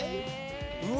うわ！